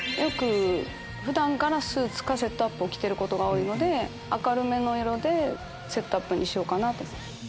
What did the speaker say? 普段からスーツかセットアップを着てることが多いので明るめの色でセットアップにしようかなと。